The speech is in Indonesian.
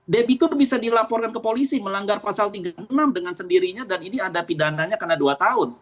debitur bisa dilaporkan ke polisi melanggar pasal tiga puluh enam dengan sendirinya dan ini ada pidananya karena dua tahun